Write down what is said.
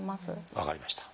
分かりました。